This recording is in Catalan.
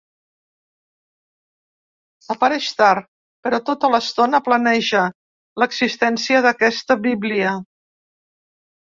“Apareix tard, però tota l’estona planeja l’existència d’aquesta bíblia”.